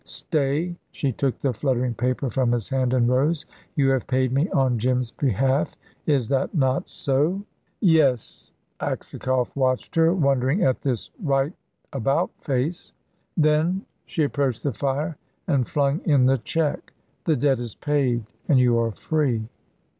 Stay" she took the fluttering paper from his hand and rose. "You have paid me on Jim's behalf is that not so?" "Yes"; Aksakoff watched her, wondering at this right about face. "Then" she approached the fire and flung in the cheque "the debt is paid, and you are free."